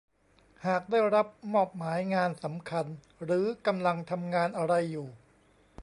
หากได้รับมอบหมายงานสำคัญ หรือกำลังทำงานอะไรอยู่